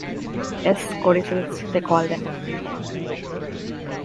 Yes; 'codicils,' they call them.